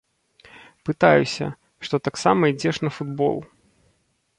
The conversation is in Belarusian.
Пытаюся, што таксама ідзеш на футбол.